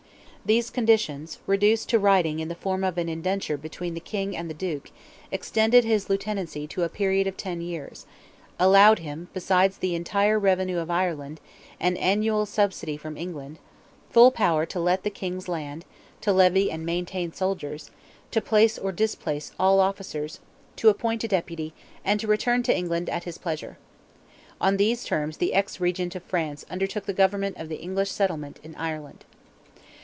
These conditions, reduced to writing in the form of an Indenture between the King and the Duke, extended his lieutenancy to a period of ten years; allowed him, besides the entire revenue of Ireland, an annual subsidy from England; full power to let the King's land, to levy and maintain soldiers, to place or displace all officers, to appoint a Deputy, and to return to England at his pleasure. On these terms the ex Regent of France undertook the government of the English settlement in Ireland.